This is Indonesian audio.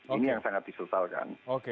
ini yang sangat disesalkan